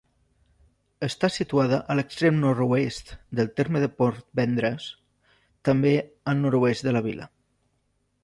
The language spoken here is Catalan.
Està situada a l'extrem nord-oest del terme de Portvendres, també al nord-oest de la vila.